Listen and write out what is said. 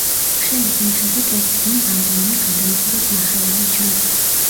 ხელის მიხედვით ეს წიგნი რამდენიმე გადამწერის ნახელავი ჩანს.